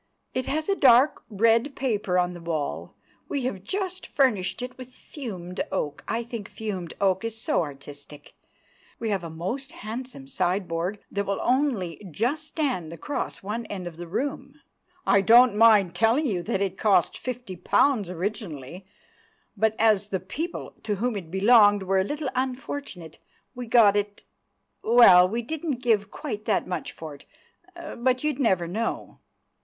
"It has a dark red paper on the wall. We have just furnished it with fumed oak. I think fumed oak is so artistic. We have a most handsome sideboard that will only just stand across one end of the room. I don't mind telling you that it cost fifty pounds originally, but as the people to whom it belonged were a little unfortunate, we got it—well, we didn't give quite that much for it; but you'd never know.